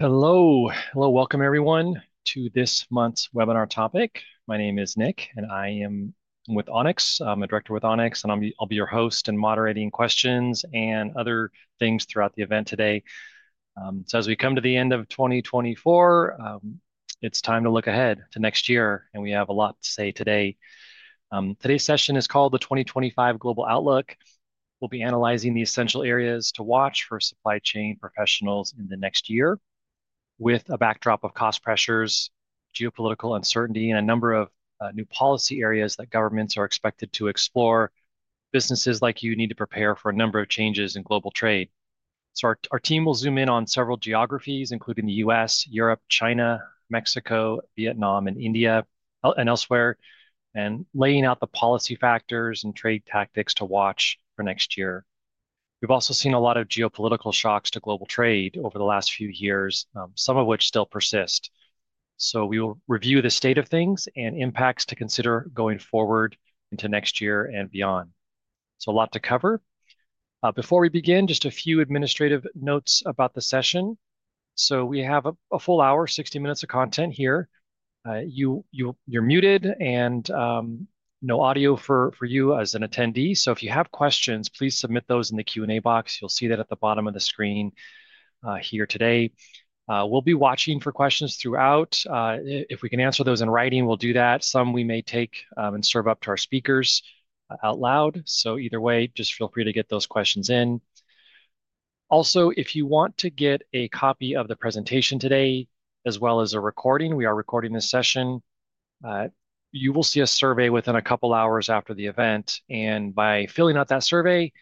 Hello! hello! welcome everyone to this month's webinar topic. My name is Nick and I am with ONYX. I'm a director with Onyx and I'll be your host and moderating questions and other things throughout the event today. So as we come to the end of 2024, it's time to look ahead to next year, and we have a lot to say today. Today's session is called the 2025 Global Outlook. We'll be analyzing the essential areas to watch for supply chain professionals in the next year, with a backdrop of cost pressures, geopolitical uncertainty, and a number of new policy areas that governments are expected to explore. Businesses like you need to prepare for a number of changes in global trade. Our team will zoom in on several geographies, including the U.S., Europe, China, Mexico, Vietnam, and India, and elsewhere, and laying out the policy factors and trade tactics to watch for next year. We've also seen a lot of geopolitical shocks to global trade over the last few years, some of which still persist. We will review the state of things and impacts to consider going forward into next year and beyond. A lot to cover. Before we begin, just a few administrative notes about the session. We have a full hour, 60 minutes of content here. You're muted, and no audio for you as an attendee. If you have questions, please submit those in the Q&A box. You'll see that at the bottom of the screen here today. We'll be watching for questions throughout. If we can answer those in writing, we'll do that. Some we may take and serve up to our speakers out loud. So either way, just feel free to get those questions in. Also, if you want to get a copy of the presentation today as well as a recording, we are recording this session. You will see a survey within a couple of hours after the event, and by filling out that survey,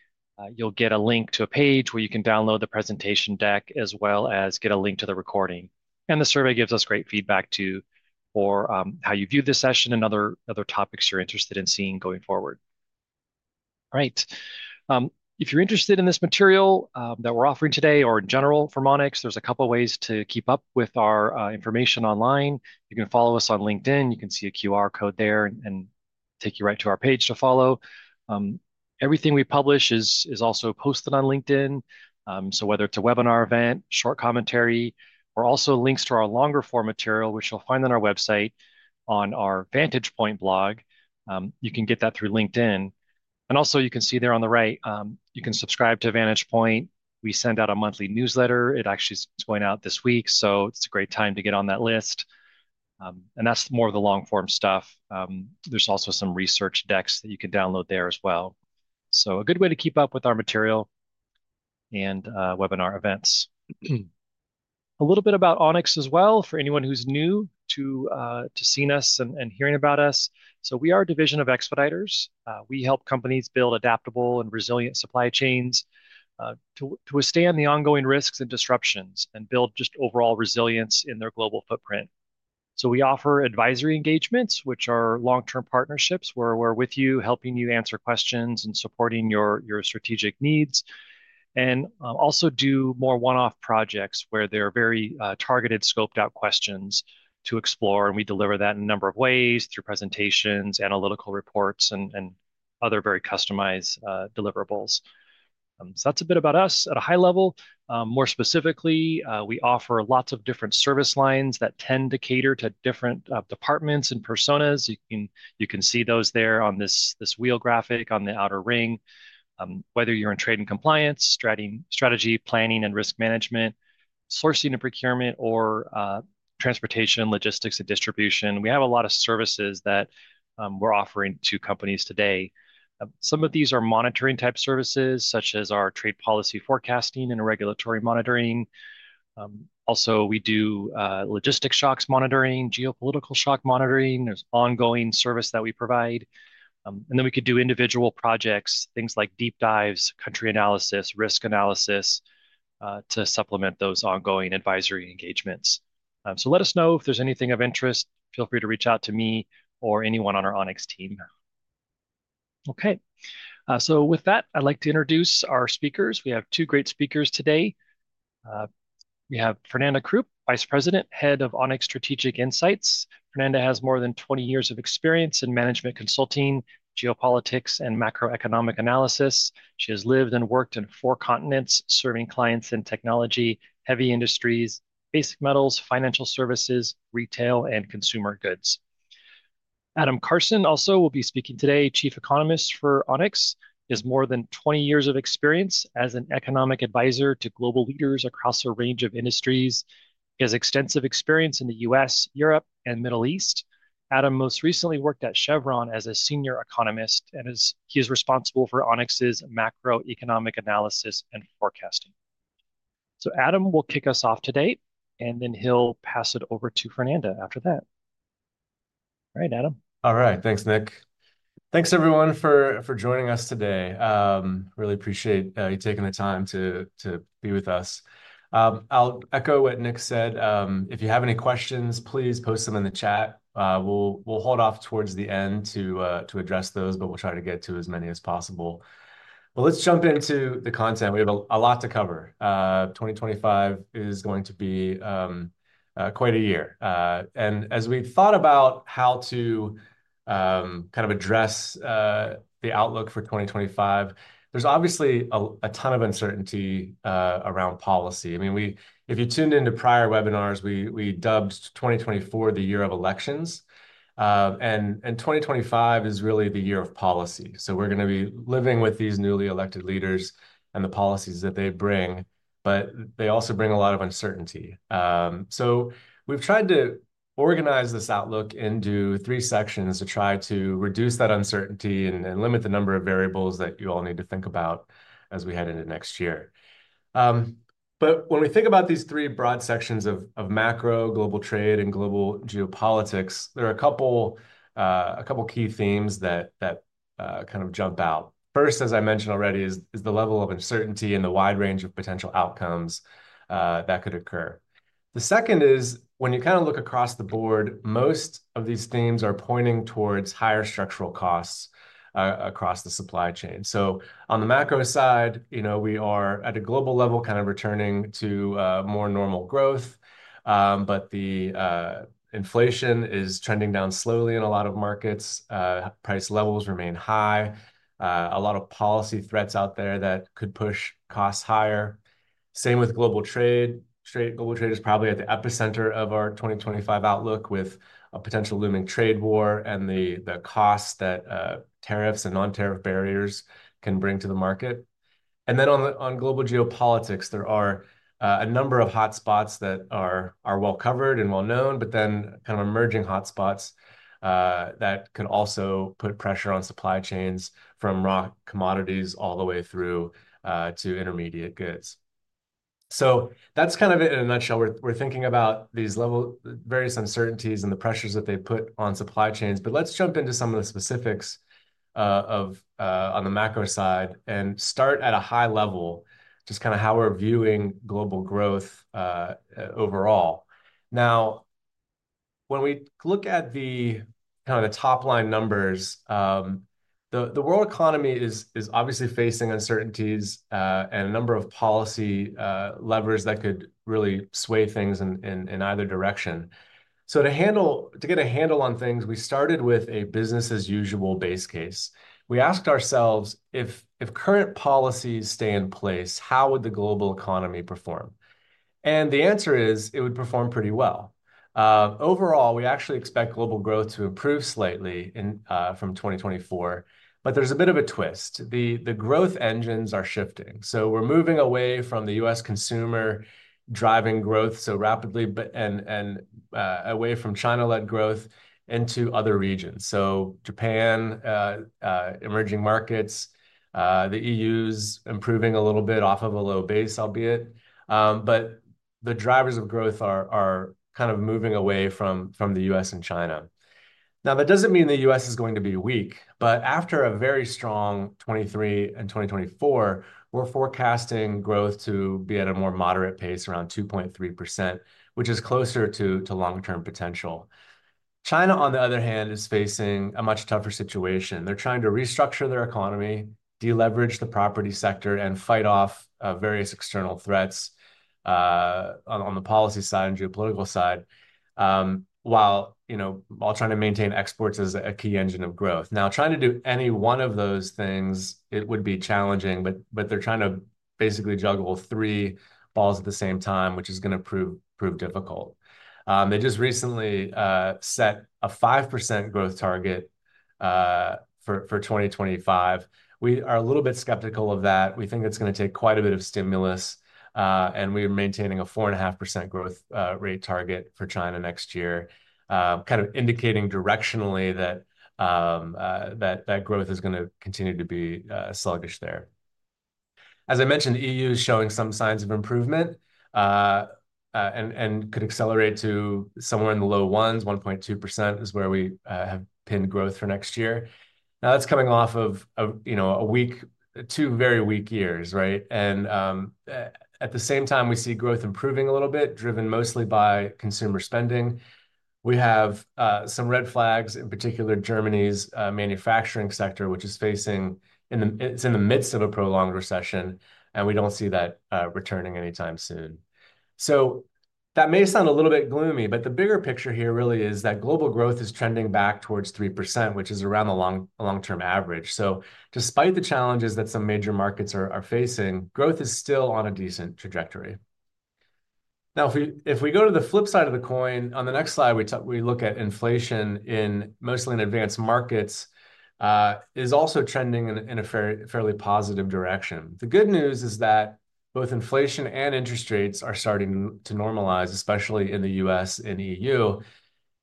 you'll get a link to a page where you can download the presentation deck as well as get a link to the recording, and the survey gives us great feedback too for how you view this session and other topics you're interested in seeing going forward. All right. If you're interested in this material that we're offering today or in general from ONYX, there's a couple of ways to keep up with our information online. You can follow us on LinkedIn. You can see a QR code there and take you right to our page to follow. Everything we publish is also posted on LinkedIn, so whether it's a webinar event, short commentary, or also links to our longer form material, which you'll find on our website on our Vantage Point blog, you can get that through LinkedIn, and also you can see there on the right, you can subscribe to Vantage Point. We send out a monthly newsletter. It actually is going out this week, so it's a great time to get on that list, and that's more of the long-form stuff. There's also some research decks that you can download there as well, so a good way to keep up with our material and webinar events. A little bit about ONYX as well for anyone who's new to seeing us and hearing about us. We are a division of Expeditors. We help companies build adaptable and resilient supply chains to withstand the ongoing risks and disruptions and build just overall resilience in their global footprint. We offer advisory engagements, which are long-term partnerships where we're with you, helping you answer questions and supporting your strategic needs, and also do more one-off projects where there are very targeted, scoped-out questions to explore. We deliver that in a number of ways through presentations, analytical reports, and other very customized deliverables. That's a bit about us at a high level. More specifically, we offer lots of different service lines that tend to cater to different departments and personas. You can see those there on this wheel graphic on the outer ring. Whether you're in trade and compliance, strategy, planning, and risk management, sourcing and procurement, or transportation, logistics, and distribution, we have a lot of services that we're offering to companies today. Some of these are monitoring-type services, such as our trade policy forecasting and regulatory monitoring. Also, we do logistics shocks monitoring, geopolitical shock monitoring. There's ongoing service that we provide, and then we could do individual projects, things like deep dives, country analysis, risk analysis to supplement those ongoing advisory engagements, so let us know if there's anything of interest. Feel free to reach out to me or anyone on our ONYX team. Okay, so with that, I'd like to introduce our speakers. We have two great speakers today. We have Fernanda Kroup, Vice President, Head of ONYX Strategic Insights. Fernanda has more than 20 years of experience in management consulting, geopolitics, and macroeconomic analysis. She has lived and worked in four continents, serving clients in technology, heavy industries, basic metals, financial services, retail, and consumer goods. Adam Karson also will be speaking today, Chief Economist for ONYX. He has more than 20 years of experience as an economic advisor to global leaders across a range of industries. He has extensive experience in the U.S., Europe, and Middle East. Adam most recently worked at Chevron as a senior economist, and he is responsible for ONYX's macroeconomic analysis and forecasting, so Adam will kick us off today, and then he'll pass it over to Fernanda after that. All right, Adam. All right. Thanks, Nick. Thanks, everyone, for joining us today. Really appreciate you taking the time to be with us. I'll echo what Nick said. If you have any questions, please post them in the chat. We'll hold off towards the end to address those, but we'll try to get to as many as possible, but let's jump into the content. We have a lot to cover. 2025 is going to be quite a year, and as we've thought about how to kind of address the outlook for 2025, there's obviously a ton of uncertainty around policy. I mean, if you tuned into prior webinars, we dubbed 2024 the year of elections, and 2025 is really the year of policy, so we're going to be living with these newly elected leaders and the policies that they bring, but they also bring a lot of uncertainty. So we've tried to organize this outlook into three sections to try to reduce that uncertainty and limit the number of variables that you all need to think about as we head into next year. But when we think about these three broad sections of macro, global trade, and global geopolitics, there are a couple of key themes that kind of jump out. First, as I mentioned already, is the level of uncertainty and the wide range of potential outcomes that could occur. The second is when you kind of look across the board, most of these themes are pointing towards higher structural costs across the supply chain. So on the macro side, we are at a global level kind of returning to more normal growth, but the inflation is trending down slowly in a lot of markets. Price levels remain high. A lot of policy threats out there that could push costs higher. Same with global trade. Global trade is probably at the epicenter of our 2025 outlook with a potential looming trade war and the costs that tariffs and non-tariff barriers can bring to the market. And then on global geopolitics, there are a number of hotspots that are well covered and well known, but then kind of emerging hotspots that could also put pressure on supply chains from raw commodities all the way through to intermediate goods. So that's kind of it in a nutshell. We're thinking about these various uncertainties and the pressures that they put on supply chains. But let's jump into some of the specifics on the macro side and start at a high level, just kind of how we're viewing global growth overall. Now, when we look at the kind of top-line numbers, the world economy is obviously facing uncertainties and a number of policy levers that could really sway things in either direction. So to get a handle on things, we started with a business-as-usual base case. We asked ourselves, if current policies stay in place, how would the global economy perform? And the answer is it would perform pretty well. Overall, we actually expect global growth to improve slightly from 2024, but there's a bit of a twist. The growth engines are shifting. So we're moving away from the U.S. consumer driving growth so rapidly and away from China-led growth into other regions. So Japan, emerging markets, the E.U.'s improving a little bit off of a low base, albeit. But the drivers of growth are kind of moving away from the U.S. and China. Now, that doesn't mean the U.S. is going to be weak, but after a very strong 2023 and 2024, we're forecasting growth to be at a more moderate pace, around 2.3%, which is closer to long-term potential. China, on the other hand, is facing a much tougher situation. They're trying to restructure their economy, deleverage the property sector, and fight off various external threats on the policy side and geopolitical side, while trying to maintain exports as a key engine of growth. Now, trying to do any one of those things, it would be challenging, but they're trying to basically juggle three balls at the same time, which is going to prove difficult. They just recently set a 5% growth target for 2025. We are a little bit skeptical of that. We think it's going to take quite a bit of stimulus, and we are maintaining a 4.5% growth rate target for China next year, kind of indicating directionally that growth is going to continue to be sluggish there. As I mentioned, the EU is showing some signs of improvement and could accelerate to somewhere in the low ones. 1.2% is where we have pinned growth for next year. Now, that's coming off of a weak two very weak years, right? And at the same time, we see growth improving a little bit, driven mostly by consumer spending. We have some red flags, in particular, Germany's manufacturing sector, which is facing. It's in the midst of a prolonged recession, and we don't see that returning anytime soon. So that may sound a little bit gloomy, but the bigger picture here really is that global growth is trending back towards 3%, which is around the long-term average. So despite the challenges that some major markets are facing, growth is still on a decent trajectory. Now, if we go to the flip side of the coin, on the next slide, we look at inflation in mostly advanced markets is also trending in a fairly positive direction. The good news is that both inflation and interest rates are starting to normalize, especially in the U.S. and E.U.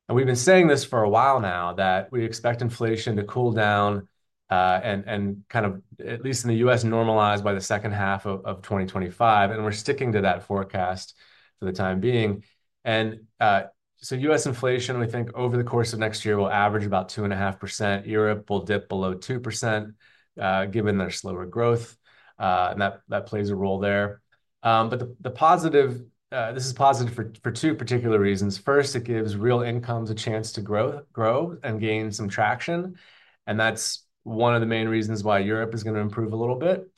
And we've been saying this for a while now, that we expect inflation to cool down and kind of, at least in the U.S., normalize by the second half of 2025. And we're sticking to that forecast for the time being. And so U.S. inflation, we think over the course of next year, will average about 2.5%. Europe will dip below 2% given their slower growth. And that plays a role there. But this is positive for two particular reasons. First, it gives real incomes a chance to grow and gain some traction. And that's one of the main reasons why Europe is going to improve a little bit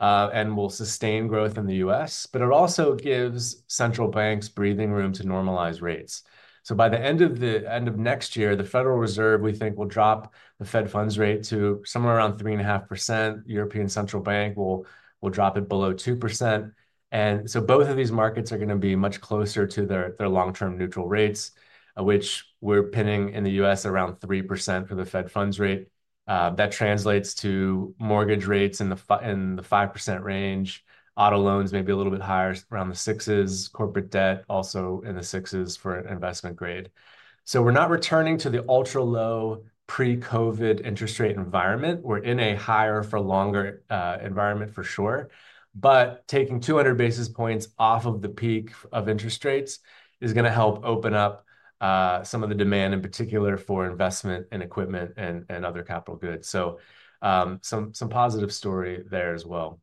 and will sustain growth in the U.S. But it also gives central banks breathing room to normalize rates. So by the end of next year, the Federal Reserve, we think, will drop the Fed funds rate to somewhere around 3.5%. European Central Bank will drop it below 2%. And so both of these markets are going to be much closer to their long-term neutral rates, which we're pinning in the U.S. around 3% for the Fed funds rate. That translates to mortgage rates in the 5% range, auto loans maybe a little bit higher, around the 6s, corporate debt also in the 6s for investment grade. So we're not returning to the ultra-low pre-COVID interest rate environment. We're in a higher-for-longer environment, for sure. But taking 200 basis points off of the peak of interest rates is going to help open up some of the demand, in particular, for investment and equipment and other capital goods. So some positive story there as well.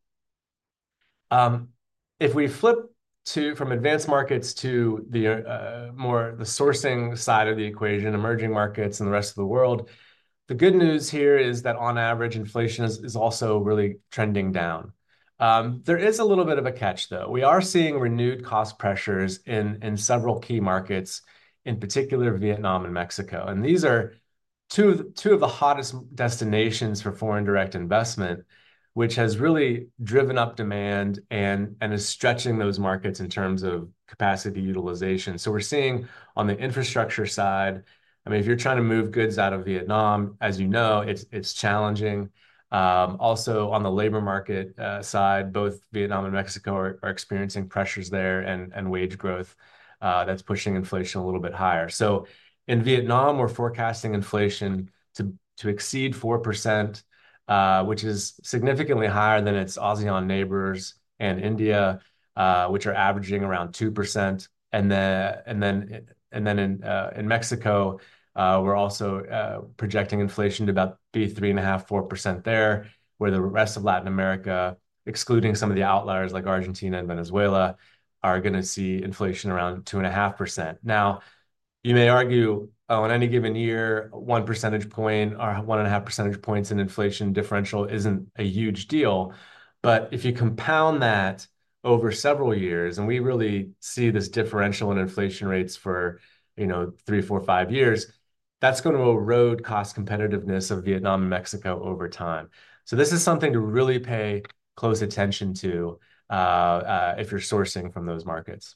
If we flip from advanced markets to the more sourcing side of the equation, emerging markets and the rest of the world, the good news here is that on average, inflation is also really trending down. There is a little bit of a catch, though. We are seeing renewed cost pressures in several key markets, in particular, Vietnam and Mexico. And these are two of the hottest destinations for foreign direct investment, which has really driven up demand and is stretching those markets in terms of capacity utilization. So we're seeing on the infrastructure side, I mean, if you're trying to move goods out of Vietnam, as you know, it's challenging. Also, on the labor market side, both Vietnam and Mexico are experiencing pressures there and wage growth that's pushing inflation a little bit higher. So in Vietnam, we're forecasting inflation to exceed 4%, which is significantly higher than its ASEAN neighbors and India, which are averaging around 2%. And then in Mexico, we're also projecting inflation to be 3.5%-4% there, where the rest of Latin America, excluding some of the outliers like Argentina and Venezuela, are going to see inflation around 2.5%. Now, you may argue, oh, in any given year, one percentage point or one and a half percentage points in inflation differential isn't a huge deal. But if you compound that over several years, and we really see this differential in inflation rates for three, four, five years, that's going to erode cost competitiveness of Vietnam and Mexico over time. So this is something to really pay close attention to if you're sourcing from those markets.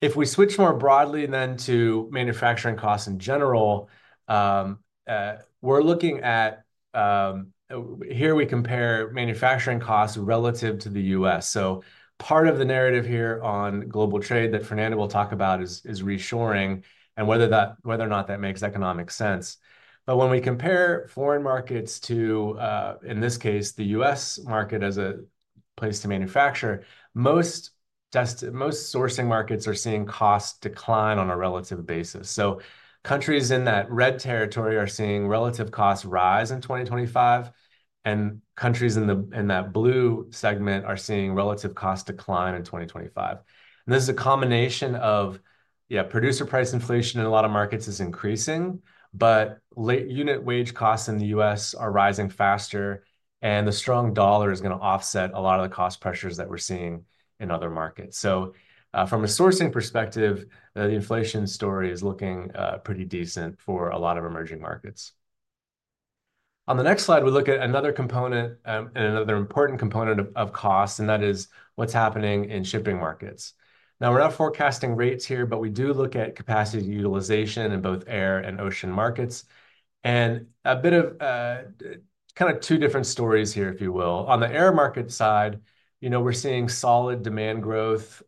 If we switch more broadly then to manufacturing costs in general, we're looking at here we compare manufacturing costs relative to the US. So part of the narrative here on global trade that Fernanda will talk about is rering and whether or not that makes economic sense. But when we compare foreign markets to, in this case, the U.S. market as a place to manufacture, most sourcing markets are seeing cost decline on a relative basis. So countries in that red territory are seeing relative costs rise in 2025, and countries in that blue segment are seeing relative cost decline in 2025. And this is a combination of, yeah, producer price inflation in a lot of markets is increasing, but unit wage costs in the U.S. are rising faster, and the strong dollar is going to offset a lot of the cost pressures that we're seeing in other markets. So from a sourcing perspective, the inflation story is looking pretty decent for a lot of emerging markets. On the next slide, we look at another component and another important component of costs, and that is what's happening in shipping markets. Now, we're not forecasting rates here, but we do look at capacity utilization in both air and ocean markets, and a bit of kind of two different stories here, if you will. On the air market side, we're seeing solid demand growth,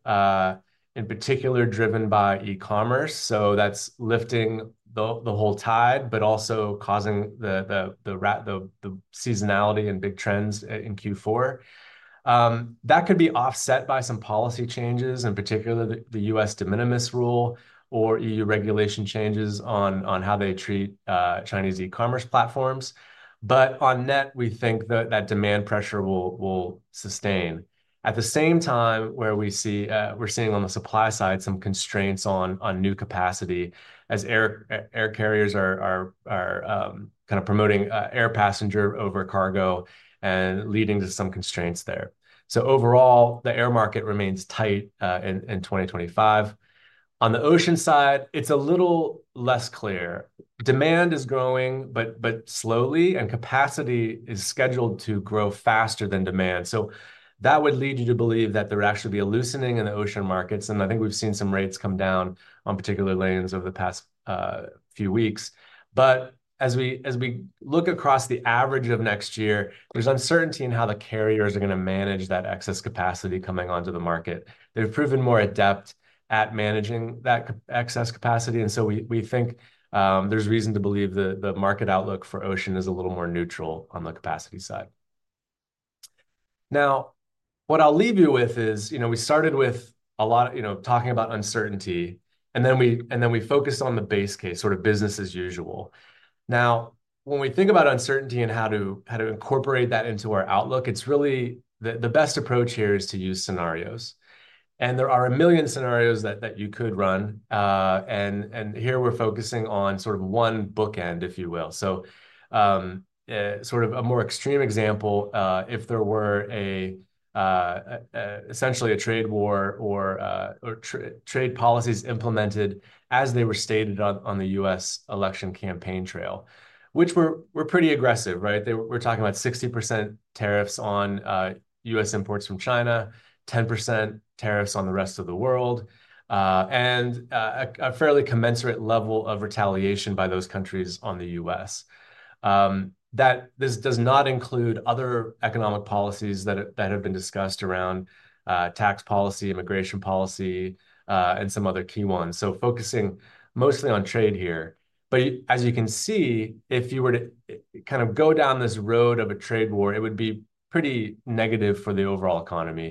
in particular, driven by e-commerce, so that's lifting the whole tide, but also causing the seasonality and big trends in Q4. That could be offset by some policy changes, in particular, the U.S. de minimis rule or E.U. regulation changes on how they treat Chinese e-commerce platforms, but on net, we think that demand pressure will sustain. At the same time, where we're seeing on the supply side some constraints on new capacity as air carriers are kind of promoting air passenger over cargo and leading to some constraints there, so overall, the air market remains tight in 2025. On the ocean side, it's a little less clear. Demand is growing, but slowly, and capacity is scheduled to grow faster than demand. So that would lead you to believe that there actually be a loosening in the ocean markets. And I think we've seen some rates come down on particular lanes over the past few weeks. But as we look across the average of next year, there's uncertainty in how the carriers are going to manage that excess capacity coming onto the market. They've proven more adept at managing that excess capacity. And so we think there's reason to believe the market outlook for ocean is a little more neutral on the capacity side. Now, what I'll leave you with is we started with a lot of talking about uncertainty, and then we focused on the base case, sort of business as usual. Now, when we think about uncertainty and how to incorporate that into our outlook, it's really the best approach here is to use scenarios. And there are a million scenarios that you could run. And here we're focusing on sort of one bookend, if you will. So sort of a more extreme example, if there were essentially a trade war or trade policies implemented as they were stated on the U.S. election campaign trail, which were pretty aggressive, right? We're talking about 60% tariffs on U.S. imports from China, 10% tariffs on the rest of the world, and a fairly commensurate level of retaliation by those countries on the U.S. This does not include other economic policies that have been discussed around tax policy, immigration policy, and some other key ones. So focusing mostly on trade here. but as you can see, if you were to kind of go down this road of a trade war, it would be pretty negative for the overall economy.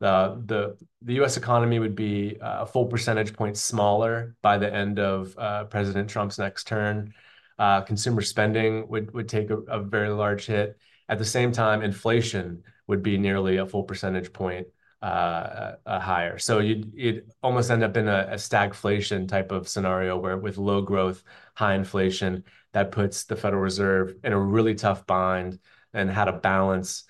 The U.S. economy would be a full percentage point smaller by the end of President Trump's next term. Consumer spending would take a very large hit. At the same time, inflation would be nearly a full percentage point higher. So you'd almost end up in a stagflation type of scenario where with low growth, high inflation, that puts the Federal Reserve in a really tough bind and how to balance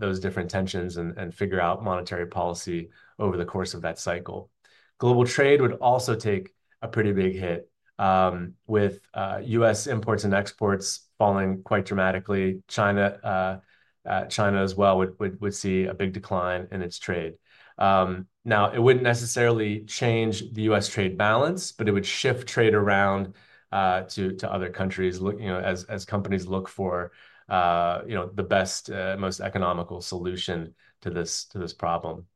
those different tensions and figure out monetary policy over the course of that cycle. Global trade would also take a pretty big hit with U.S. imports and exports falling quite dramatically. China as well would see a big decline in its trade. Now, it wouldn't necessarily change the U.S. trade balance, but it would shift trade around to other countries as companies look for the best, most economical solution to this problem.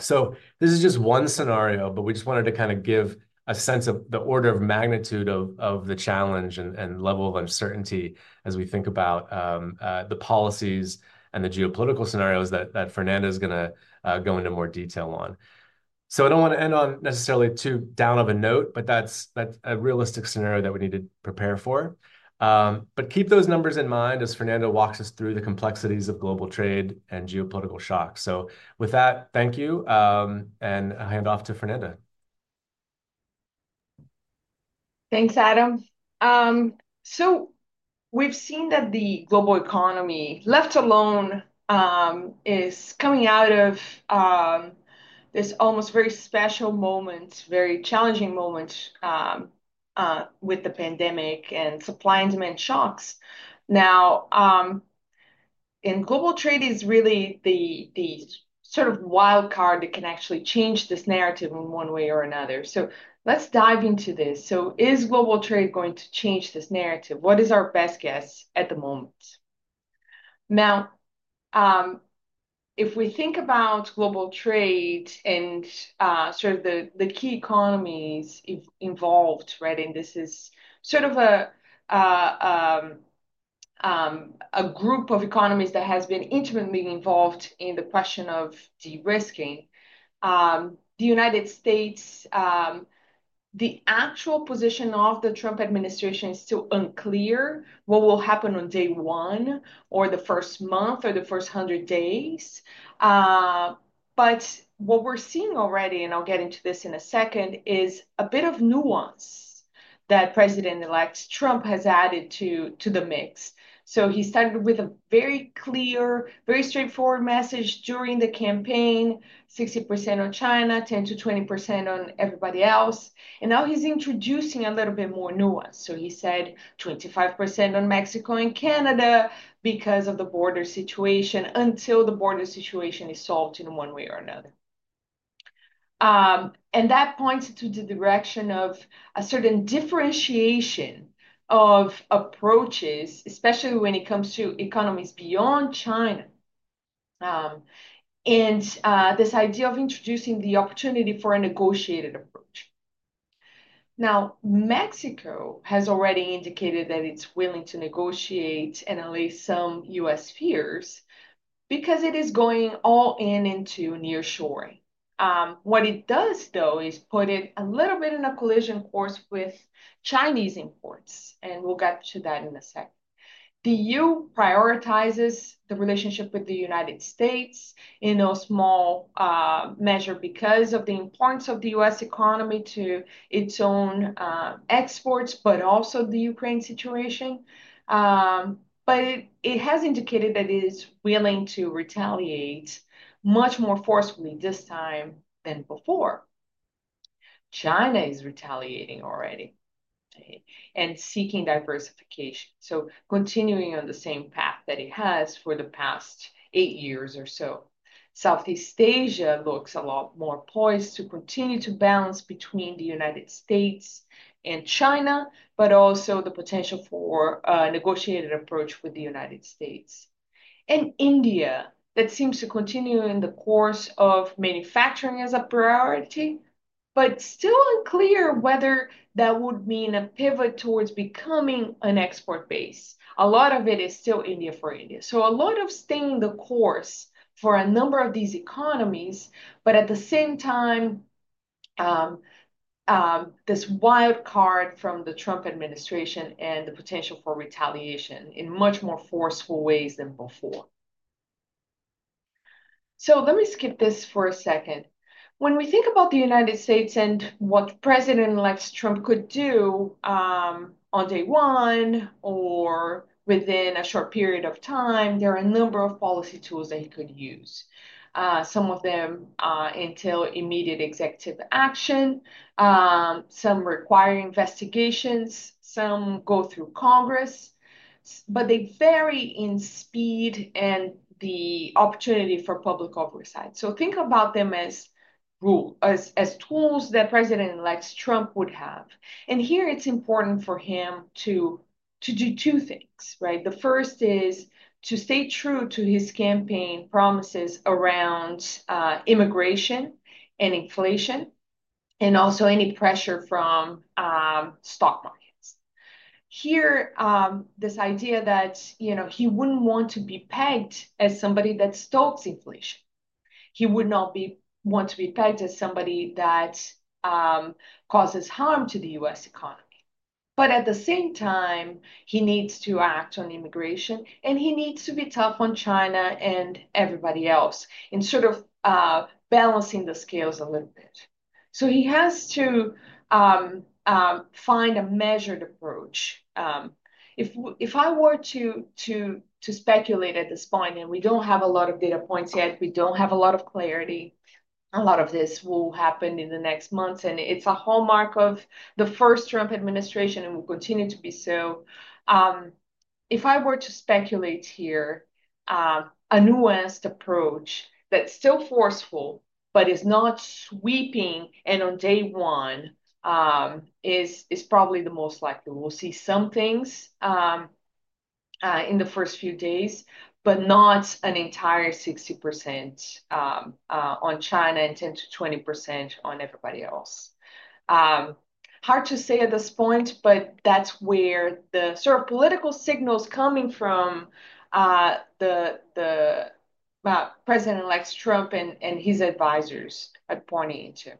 So this is just one scenario, but we just wanted to kind of give a sense of the order of magnitude of the challenge and level of uncertainty as we think about the policies and the geopolitical scenarios that Fernanda is going to go into more detail on. So I don't want to end on necessarily too down of a note, but that's a realistic scenario that we need to prepare for. But keep those numbers in mind as Fernanda walks us through the complexities of global trade and geopolitical shocks. So with that, thank you, and I'll hand off to Fernanda. Thanks, Adam. So we've seen that the global economy, left alone, is coming out of this almost very special moment, very challenging moment with the pandemic and supply and demand shocks. Now, in global trade, it's really the sort of wild card that can actually change this narrative in one way or another. So let's dive into this. So is global trade going to change this narrative? What is our best guess at the moment? Now, if we think about global trade and sort of the key economies involved, right, and this is sort of a group of economies that has been intimately involved in the question of de-risking, the United States, the actual position of the Trump administration is still unclear what will happen on day one or the first month or the first 100 days. What we're seeing already, and I'll get into this in a second, is a bit of nuance that President-elect Trump has added to the mix. He started with a very clear, very straightforward message during the campaign, 60% on China, 10%-20% on everybody else. Now he's introducing a little bit more nuance. He said 25% on Mexico and Canada because of the border situation until the border situation is solved in one way or another. That points to the direction of a certain differentiation of approaches, especially when it comes to economies beyond China. This idea of introducing the opportunity for a negotiated approach. Mexico has already indicated that it's willing to negotiate and allay some U.S. fears because it is going all in into nearshoring. What it does, though, is put it a little bit in a collision course with Chinese imports, and we'll get to that in a second. The EU prioritizes the relationship with the United States in a small measure because of the importance of the U.S. economy to its own exports, but also the Ukraine situation, but it has indicated that it is willing to retaliate much more forcefully this time than before. China is retaliating already and seeking diversification, so continuing on the same path that it has for the past eight years or so. Southeast Asia looks a lot more poised to continue to balance between the United States and China, but also the potential for a negotiated approach with the United States. And India that seems to continue in the course of manufacturing as a priority, but still unclear whether that would mean a pivot towards becoming an export base. A lot of it is still India for India. So a lot of staying the course for a number of these economies, but at the same time, this wild card from the Trump administration and the potential for retaliation in much more forceful ways than before. So let me skip this for a second. When we think about the United States and what President-elect Trump could do on day one or within a short period of time, there are a number of policy tools that he could use. Some of them entail immediate executive action. Some require investigations. Some go through Congress. But they vary in speed and the opportunity for public oversight. So think about them as tools that President-elect Trump would have. And here, it's important for him to do two things, right? The first is to stay true to his campaign promises around immigration and inflation and also any pressure from stock markets. Here, this idea that he wouldn't want to be pegged as somebody that stokes inflation. He would not want to be pegged as somebody that causes harm to the U.S. economy. But at the same time, he needs to act on immigration, and he needs to be tough on China and everybody else in sort of balancing the scales a little bit. So he has to find a measured approach. If I were to speculate at this point, and we don't have a lot of data points yet, we don't have a lot of clarity. A lot of this will happen in the next months, and it's a hallmark of the first Trump administration and will continue to be so. If I were to speculate here, a nuanced approach that's still forceful, but is not sweeping and on day one is probably the most likely. We'll see some things in the first few days, but not an entire 60% on China and 10%-20% on everybody else. Hard to say at this point, but that's where the sort of political signals coming from the President-elect Trump and his advisors are pointing into.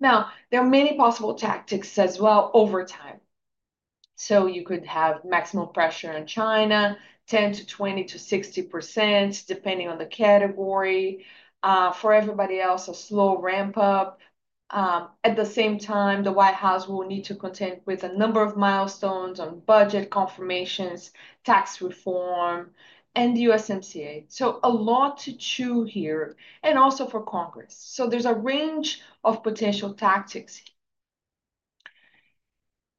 Now, there are many possible tactics as well over time. You could have maximum pressure on China, 10% to 20% to 60% depending on the category. For everybody else, a slow ramp-up. At the same time, the White House will need to contend with a number of milestones on budget confirmations, tax reform, and the USMCA. So a lot to chew here and also for Congress. So there's a range of potential tactics,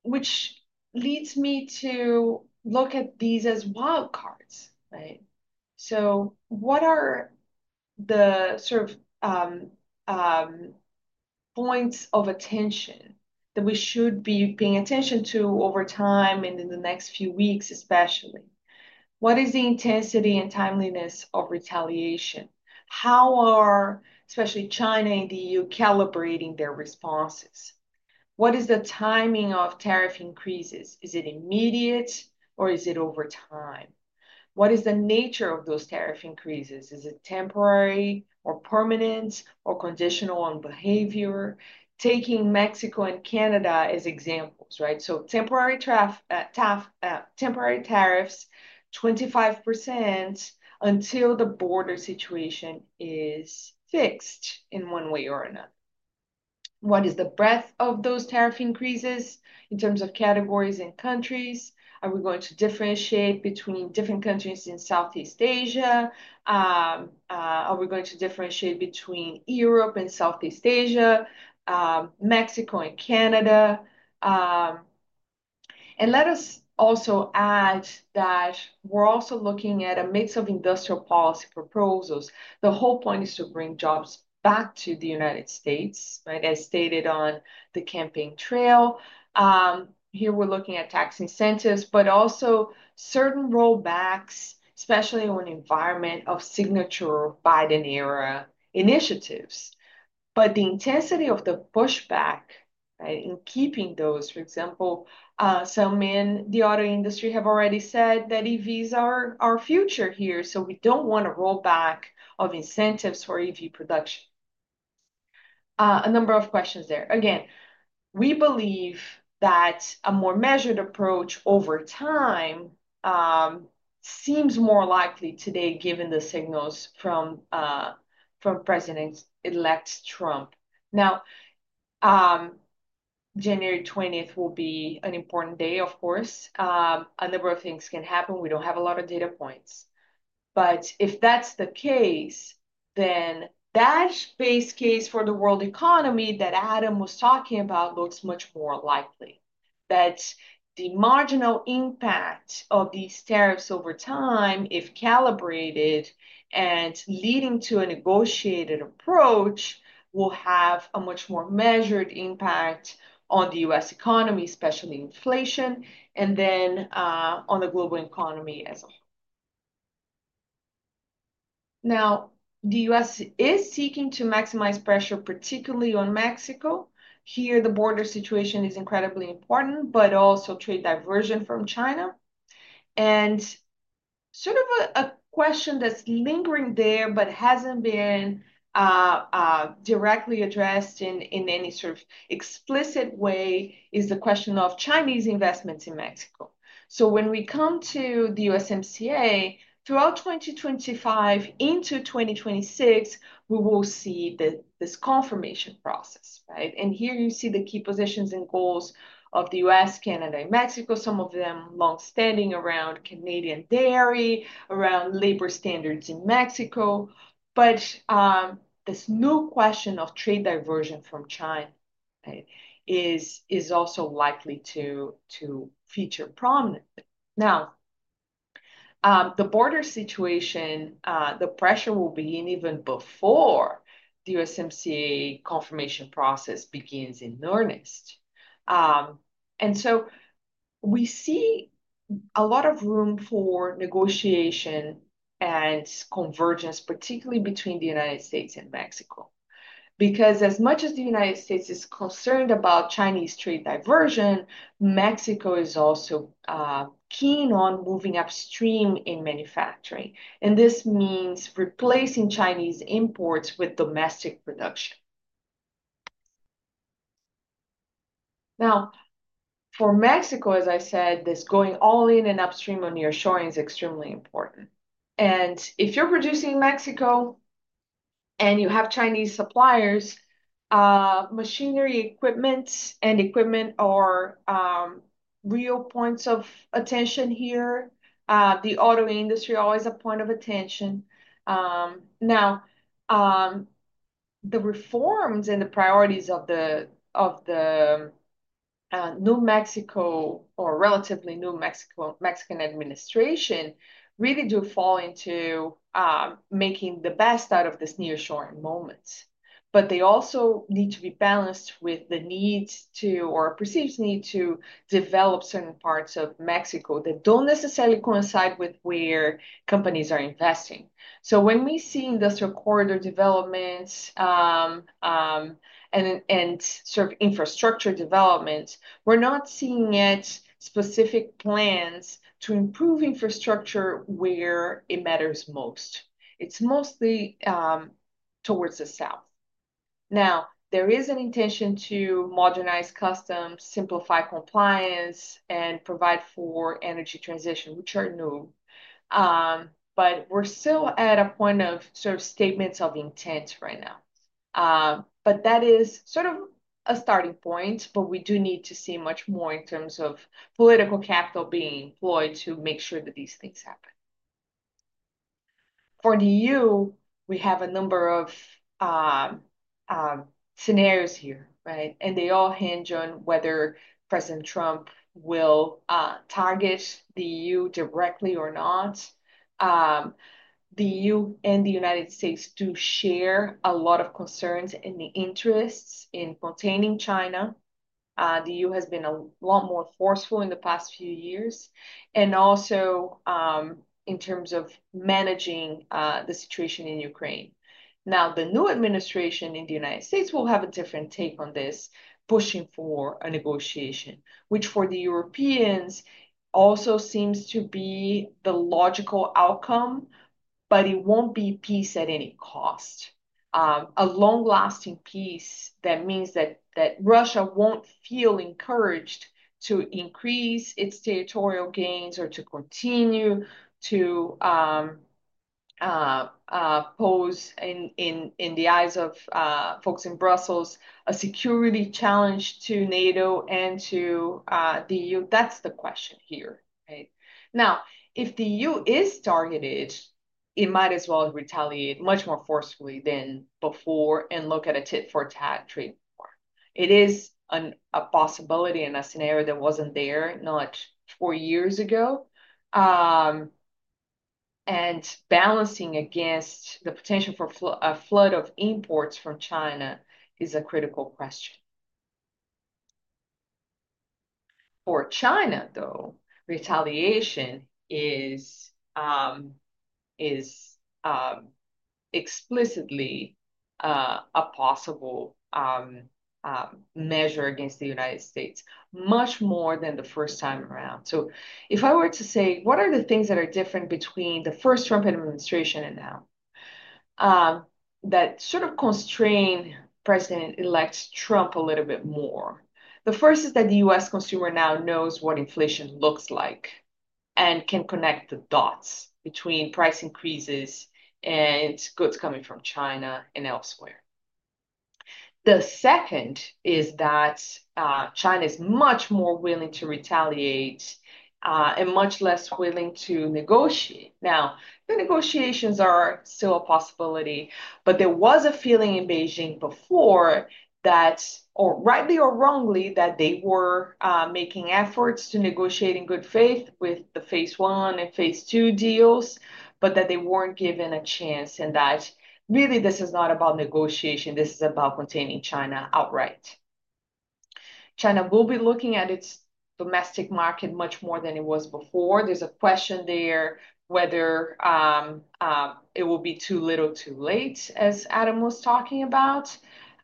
which leads me to look at these as wild cards, right? So what are the sort of points of attention that we should be paying attention to over time and in the next few weeks, especially? What is the intensity and timeliness of retaliation? How are especially China and the EU calibrating their responses? What is the timing of tariff increases? Is it immediate, or is it over time? What is the nature of those tariff increases? Is it temporary or permanent or conditional on behavior? Taking Mexico and Canada as examples, right, so temporary tariffs, 25% until the border situation is fixed in one way or another. What is the breadth of those tariff increases in terms of categories and countries? Are we going to differentiate between different countries in Southeast Asia? Are we going to differentiate between Europe and Southeast Asia, Mexico and Canada, and let us also add that we're also looking at a mix of industrial policy proposals. The whole point is to bring jobs back to the United States, right, as stated on the campaign trail. Here, we're looking at tax incentives, but also certain rollbacks, especially in an environment of signature Biden-era initiatives, but the intensity of the pushback in keeping those. For example, some in the auto industry have already said that EVs are our future here. We don't want a rollback of incentives for EV production. A number of questions there. Again, we believe that a more measured approach over time seems more likely today given the signals from President-elect Trump. Now, January 20th will be an important day, of course. A number of things can happen. We don't have a lot of data points, but if that's the case, then that base case for the world economy that Adam was talking about looks much more likely. That the marginal impact of these tariffs over time, if calibrated and leading to a negotiated approach, will have a much more measured impact on the U.S. economy, especially inflation, and then on the global economy as a whole. Now, the U.S. is seeking to maximize pressure, particularly on Mexico. Here, the border situation is incredibly important, but also trade diversion from China. And sort of a question that's lingering there but hasn't been directly addressed in any sort of explicit way is the question of Chinese investments in Mexico. So when we come to the USMCA, throughout 2025 into 2026, we will see this confirmation process, right? And here you see the key positions and goals of the U.S., Canada, and Mexico, some of them long-standing around Canadian dairy, around labor standards in Mexico. But this new question of trade diversion from China is also likely to feature prominently. Now, the border situation, the pressure will begin even before the USMCA confirmation process begins in earnest. And so we see a lot of room for negotiation and convergence, particularly between the United States and Mexico. Because as much as the United States is concerned about Chinese trade diversion, Mexico is also keen on moving upstream in manufacturing. This means replacing Chinese imports with domestic production. Now, for Mexico, as I said, this going all in and upstream on nearshoring is extremely important. If you're producing in Mexico and you have Chinese suppliers, machinery, equipment are real points of attention here. The auto industry is always a point of attention. Now, the reforms and the priorities of the new Mexican or relatively new Mexican administration really do fall into making the best out of this nearshoring moment. They also need to be balanced with the need to or perceived need to develop certain parts of Mexico that don't necessarily coincide with where companies are investing. When we see industrial corridor developments and sort of infrastructure developments, we're not seeing yet specific plans to improve infrastructure where it matters most. It's mostly towards the south. Now, there is an intention to modernize customs, simplify compliance, and provide for energy transition, which are new. But we're still at a point of sort of statements of intent right now. But that is sort of a starting point, but we do need to see much more in terms of political capital being employed to make sure that these things happen. For the EU, we have a number of scenarios here, right? And they all hinge on whether President Trump will target the EU directly or not. The EU and the United States do share a lot of concerns in the interests in containing China. The EU has been a lot more forceful in the past few years, and also in terms of managing the situation in Ukraine. Now, the new administration in the United States will have a different take on this, pushing for a negotiation, which for the Europeans also seems to be the logical outcome, but it won't be peace at any cost. A long-lasting peace that means that Russia won't feel encouraged to increase its territorial gains or to continue to pose, in the eyes of folks in Brussels, a security challenge to NATO and to the EU. That's the question here, right? Now, if the EU is targeted, it might as well retaliate much more forcefully than before and look at a tit-for-tat treaty form. It is a possibility in a scenario that wasn't there not four years ago, and balancing against the potential for a flood of imports from China is a critical question. For China, though, retaliation is explicitly a possible measure against the United States, much more than the first time around. So if I were to say, what are the things that are different between the first Trump administration and now that sort of constrain President-elect Trump a little bit more? The first is that the U.S. consumer now knows what inflation looks like and can connect the dots between price increases and goods coming from China and elsewhere. The second is that China is much more willing to retaliate and much less willing to negotiate. Now, the negotiations are still a possibility, but there was a feeling in Beijing before that, rightly or wrongly, that they were making efforts to negotiate in good faith with the Phase One and Phase Two deals, but that they weren't given a chance and that really this is not about negotiation. This is about containing China outright. China will be looking at its domestic market much more than it was before. There's a question there whether it will be too little, too late, as Adam was talking about.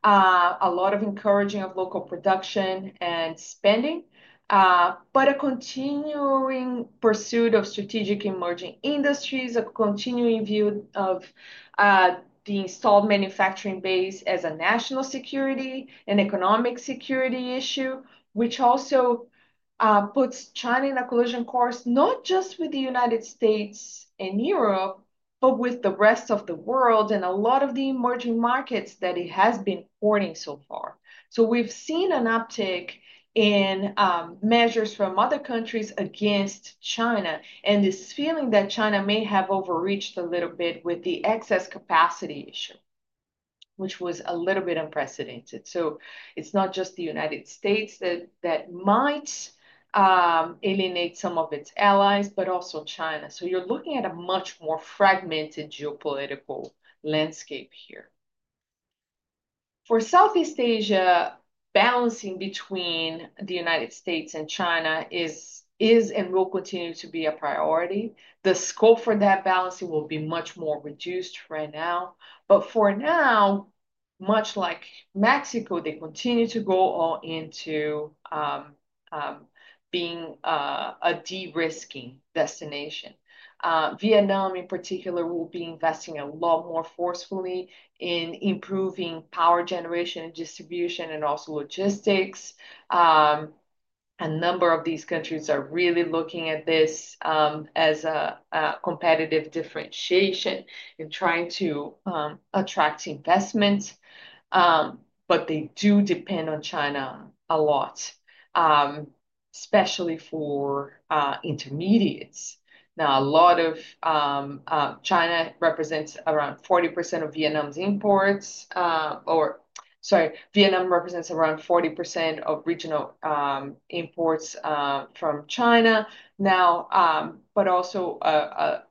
A lot of encouraging of local production and spending, but a continuing pursuit of strategic emerging industries, a continuing view of the installed manufacturing base as a national security and economic security issue, which also puts China in a collision course not just with the United States and Europe, but with the rest of the world and a lot of the emerging markets that it has been courting so far. So we've seen an uptick in measures from other countries against China and this feeling that China may have overreached a little bit with the excess capacity issue, which was a little bit unprecedented. It's not just the United States that might alienate some of its allies, but also China. You're looking at a much more fragmented geopolitical landscape here. For Southeast Asia, balancing between the United States and China is and will continue to be a priority. The scope for that balancing will be much more reduced right now. But for now, much like Mexico, they continue to go all into being a de-risking destination. Vietnam, in particular, will be investing a lot more forcefully in improving power generation and distribution and also logistics. A number of these countries are really looking at this as a competitive differentiation and trying to attract investments. But they do depend on China a lot, especially for intermediates. Now, a lot of China represents around 40% of Vietnam's imports or, sorry, Vietnam represents around 40% of regional imports from China. Now, but also a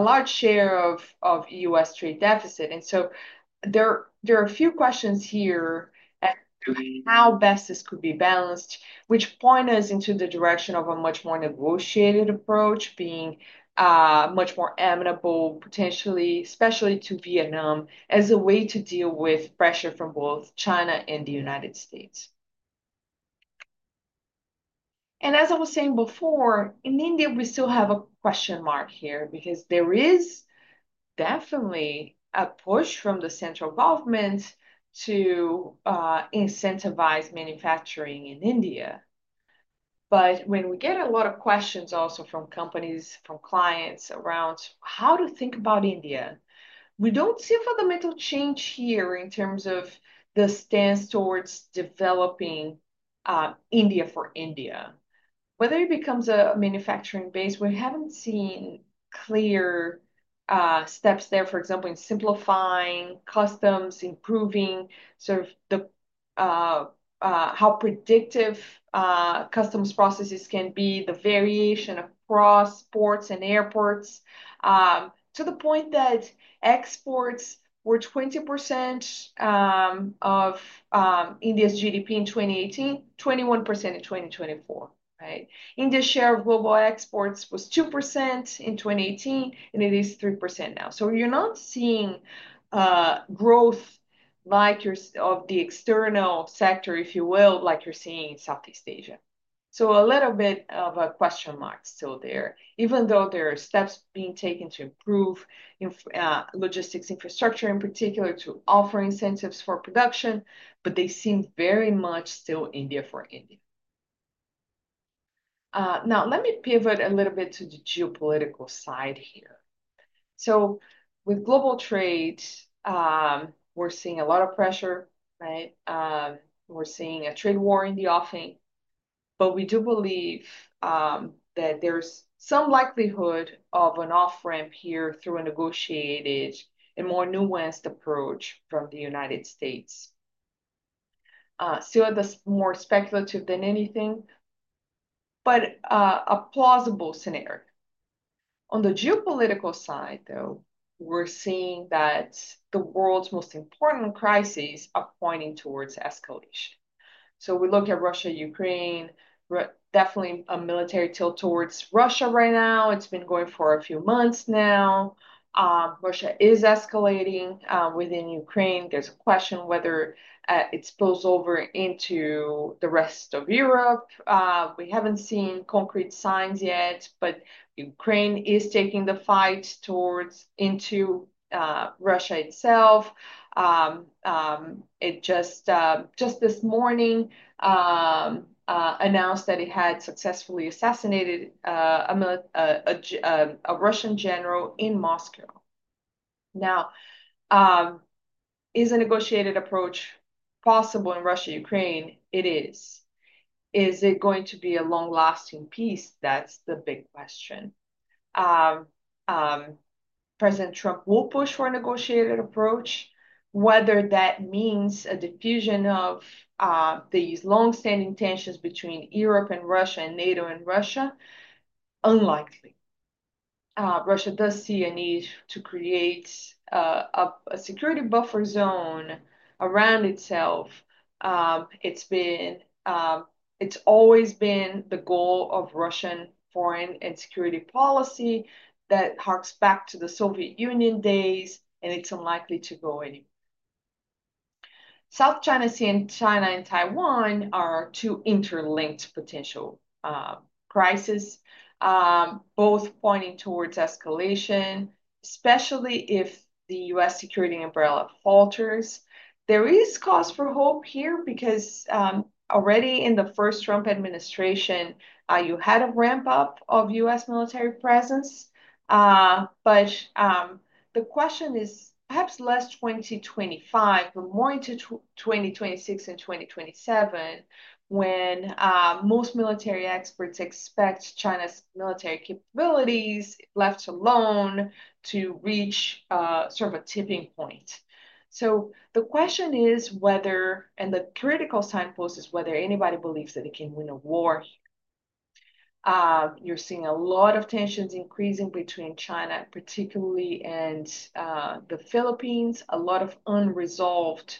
large share of U.S. trade deficit, and so there are a few questions here as to how best this could be balanced, which point us into the direction of a much more negotiated approach being much more amenable, potentially, especially to Vietnam as a way to deal with pressure from both China and the United States, and as I was saying before, in India, we still have a question mark here because there is definitely a push from the central government to incentivize manufacturing in India, but when we get a lot of questions also from companies, from clients around how to think about India, we don't see a fundamental change here in terms of the stance towards developing India for India. Whether it becomes a manufacturing base, we haven't seen clear steps there, for example, in simplifying customs, improving sort of how predictive customs processes can be, the variation across ports and airports to the point that exports were 20% of India's GDP in 2018, 21% in 2024, right? India's share of global exports was 2% in 2018, and it is 3% now. So you're not seeing growth like of the external sector, if you will, like you're seeing in Southeast Asia. So a little bit of a question mark still there, even though there are steps being taken to improve logistics infrastructure in particular to offer incentives for production, but they seem very much still India for India. Now, let me pivot a little bit to the geopolitical side here. So with global trade, we're seeing a lot of pressure, right? We're seeing a trade war in the offing. But we do believe that there's some likelihood of an off-ramp here through a negotiated and more nuanced approach from the United States. Still, that's more speculative than anything, but a plausible scenario. On the geopolitical side, though, we're seeing that the world's most important crises are pointing towards escalation. So we look at Russia-Ukraine, definitely a military tilt towards Russia right now. It's been going for a few months now. Russia is escalating within Ukraine. There's a question whether it spills over into the rest of Europe. We haven't seen concrete signs yet, but Ukraine is taking the fight towards into Russia itself. It just this morning announced that it had successfully assassinated a Russian general in Moscow. Now, is a negotiated approach possible in Russia-Ukraine? It is. Is it going to be a long-lasting peace? That's the big question. President Trump will push for a negotiated approach. Whether that means a diffusion of these long-standing tensions between Europe and Russia and NATO and Russia. Unlikely. Russia does see a need to create a security buffer zone around itself. It's always been the goal of Russian foreign and security policy that harks back to the Soviet Union days, and it's unlikely to go anywhere. South China Sea and China and Taiwan are two interlinked potential crises, both pointing towards escalation, especially if the U.S. security umbrella falters. There is cause for hope here because already in the first Trump administration, you had a ramp-up of U.S. military presence. But the question is perhaps less 2025, but more into 2026 and 2027 when most military experts expect China's military capabilities left alone to reach sort of a tipping point. So the question is whether, and the critical signpost is whether anybody believes that it can win a war here. You're seeing a lot of tensions increasing between China, particularly, and the Philippines. A lot of unresolved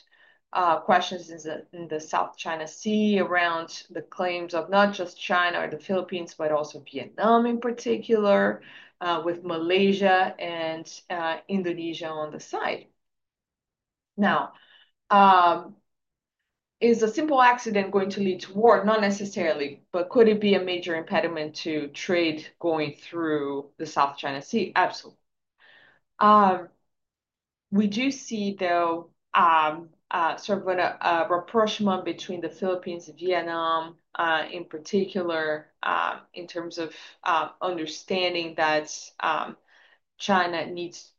questions in the South China Sea around the claims of not just China or the Philippines, but also Vietnam in particular, with Malaysia and Indonesia on the side. Now, is a simple accident going to lead to war? Not necessarily. But could it be a major impediment to trade going through the South China Sea? Absolutely. We do see, though, sort of a rapprochement between the Philippines and Vietnam in particular in terms of understanding that China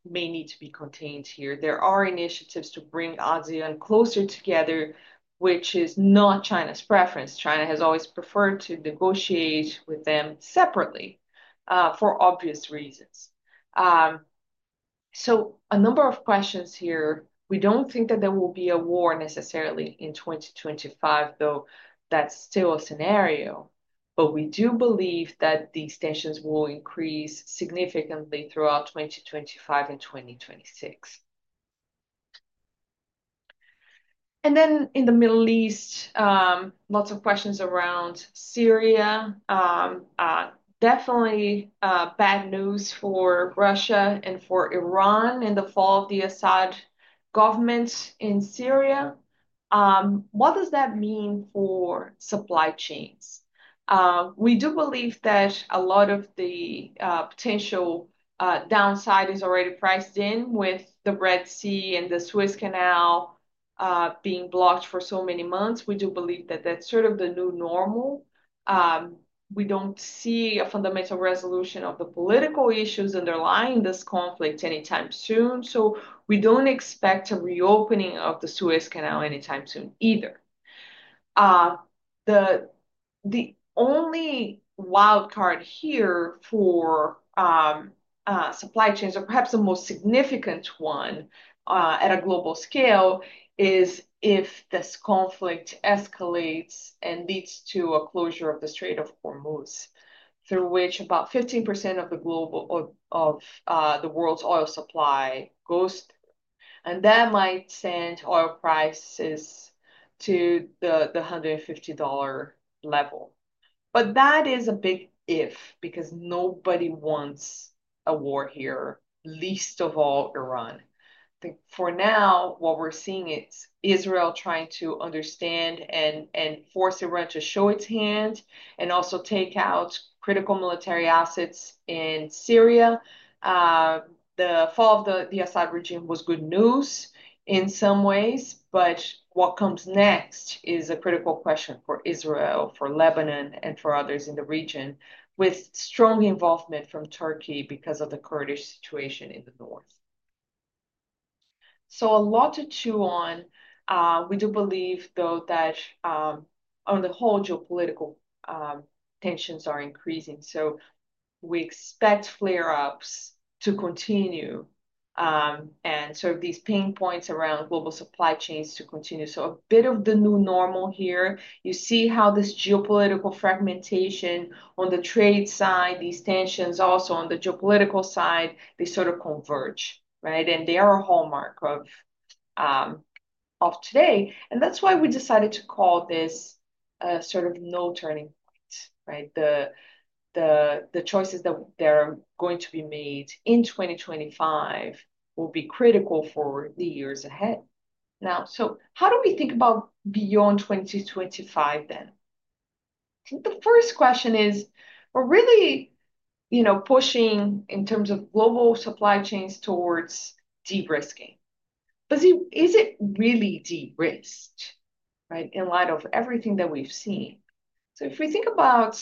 may need to be contained here. There are initiatives to bring ASEAN closer together, which is not China's preference. China has always preferred to negotiate with them separately for obvious reasons, so a number of questions here. We don't think that there will be a war necessarily in 2025, though that's still a scenario. But we do believe that these tensions will increase significantly throughout 2025 and 2026. And then in the Middle East, lots of questions around Syria. Definitely bad news for Russia and for Iran in the fall of the Assad government in Syria. What does that mean for supply chains? We do believe that a lot of the potential downside is already priced in with the Red Sea and the Suez Canal being blocked for so many months. We do believe that that's sort of the new normal. We don't see a fundamental resolution of the political issues underlying this conflict anytime soon. So we don't expect a reopening of the Suez Canal anytime soon either. The only wild card here for supply chains, or perhaps the most significant one at a global scale, is if this conflict escalates and leads to a closure of the Strait of Hormuz, through which about 15% of the world's oil supply goes, and that might send oil prices to the $150 level, but that is a big if because nobody wants a war here, least of all Iran. For now, what we're seeing is Israel trying to understand and force Iran to show its hand and also take out critical military assets in Syria. The fall of the Assad regime was good news in some ways, but what comes next is a critical question for Israel, for Lebanon, and for others in the region with strong involvement from Turkey because of the Kurdish situation in the north, so a lot to chew on. We do believe, though, that on the whole, geopolitical tensions are increasing, so we expect flare-ups to continue, and so these pain points around global supply chains to continue, so a bit of the new normal here. You see how this geopolitical fragmentation on the trade side, these tensions also on the geopolitical side, they sort of converge, right? They are a hallmark of today, and that's why we decided to call this sort of no turning point, right? The choices that are going to be made in 2025 will be critical for the years ahead. Now, so how do we think about beyond 2025 then? The first question is, we're really pushing in terms of global supply chains towards de-risking, but is it really de-risked, right, in light of everything that we've seen? So if we think about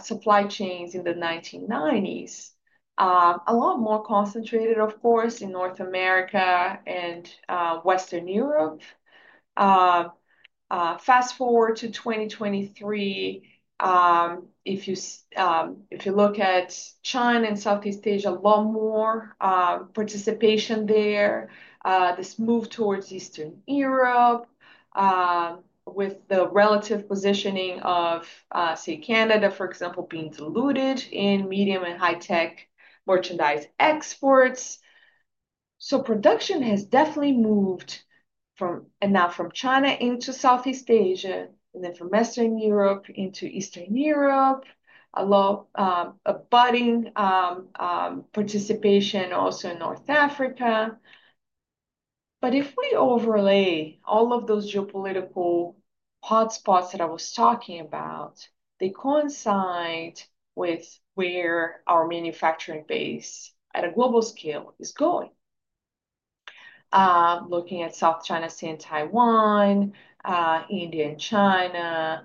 supply chains in the 1990s, a lot more concentrated, of course, in North America and Western Europe. Fast forward to 2023, if you look at China and Southeast Asia, a lot more participation there. This move towards Eastern Europe with the relative positioning of, say, Canada, for example, being diluted in medium and high-tech merchandise exports. So production has definitely moved now from China into Southeast Asia and then from Western Europe into Eastern Europe, a lot of budding participation also in North Africa. But if we overlay all of those geopolitical hotspots that I was talking about, they coincide with where our manufacturing base at a global scale is going. Looking at South China Sea and Taiwan, India and China,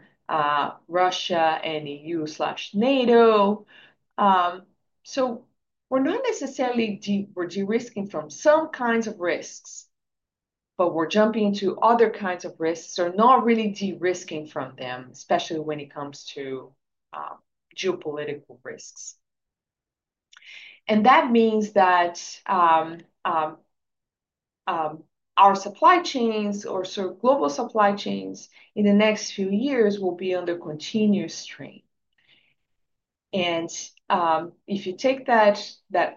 Russia, and EU/NATO. So we're not necessarily de-risking from some kinds of risks, but we're jumping into other kinds of risks or not really de-risking from them, especially when it comes to geopolitical risks. And that means that our supply chains or sort of global supply chains in the next few years will be under continuous strain. And if you take that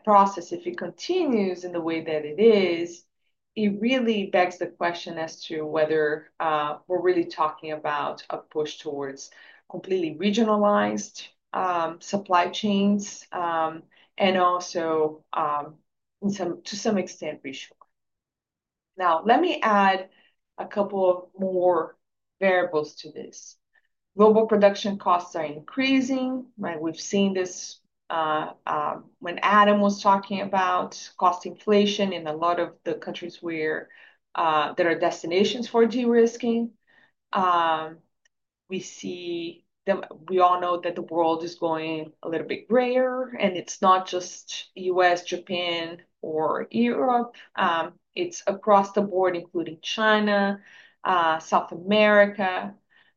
process, if it continues in the way that it is, it really begs the question as to whether we're really talking about a push towards completely regionalized supply chains and also to some extent reshoring. Now, let me add a couple more variables to this. Global production costs are increasing. We've seen this when Adam was talking about cost inflation in a lot of the countries that are destinations for de-risking. We all know that the world is going a little bit grayer, and it's not just the U.S., Japan, or Europe. It's across the board, including China, South America,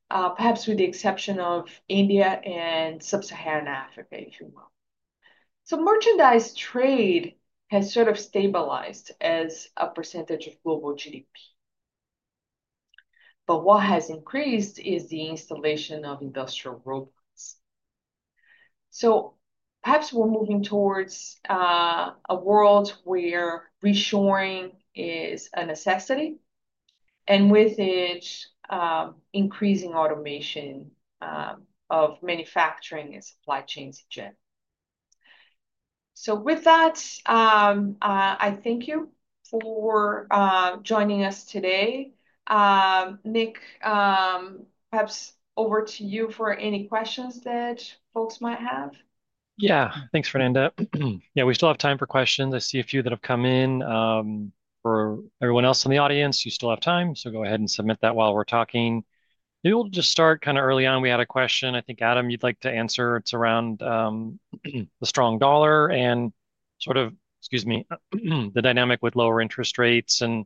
perhaps with the exception of India and Sub-Saharan Africa, if you will. So merchandise trade has sort of stabilized as a percentage of global GDP. But what has increased is the installation of industrial robots. So perhaps we're moving towards a world where reshoring is a necessity and with it increasing automation of manufacturing and supply chains in general. So with that, I thank you for joining us today. Nick, perhaps over to you for any questions that folks might have. Yeah. Thanks, Fernanda. Yeah, we still have time for questions. I see a few that have come in. For everyone else in the audience, you still have time, so go ahead and submit that while we're talking. Maybe we'll just start kind of early on. We had a question. I think, Adam, you'd like to answer. It's around the strong dollar and sort of, excuse me, the dynamic with lower interest rates, and